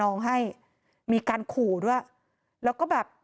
องให้มีการขู่ด้วยแล้วก็แบบ